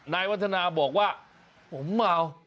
นายวัฒนาบอกว่าผมเมา